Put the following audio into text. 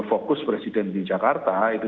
fokus presiden di jakarta itu